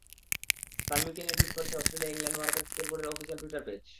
তামিমকে নিয়ে টুইট করেছে Australia, England, ভারতের ক্রিকেট বোর্ডের অফিশিয়াল টুইটার পেজ।